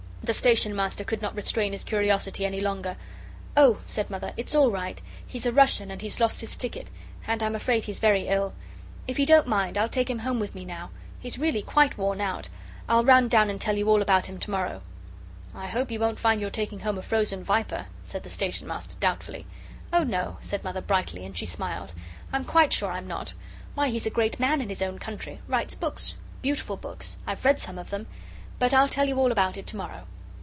The Station Master could not restrain his curiosity any longer. "Oh," said Mother, "it's all right. He's a Russian, and he's lost his ticket. And I'm afraid he's very ill. If you don't mind, I'll take him home with me now. He's really quite worn out. I'll run down and tell you all about him to morrow." "I hope you won't find you're taking home a frozen viper," said the Station Master, doubtfully. "Oh, no," Mother said brightly, and she smiled; "I'm quite sure I'm not. Why, he's a great man in his own country, writes books beautiful books I've read some of them; but I'll tell you all about it to morrow."